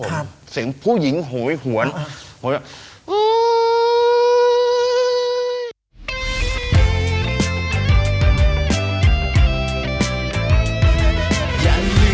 ครับเสียงผู้หญิงหวยหวนหวย